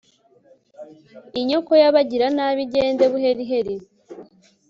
inyoko y'abagiranabi igende buheriheri